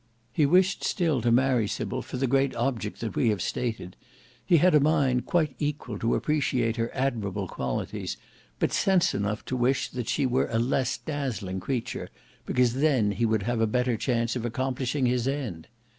He wished still to marry Sybil for the great object that we have stated; he had a mind quite equal to appreciate her admirable qualities, but sense enough to wish that she were a less dazzling creature, because then he would have a better chance of accomplishing his end.